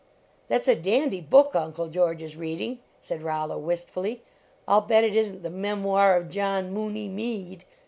"That s a dandy book Uncle Gcorg reading," said Rollo wistfully, "I ll bet it isn t the Memoir of John Moonev Mead.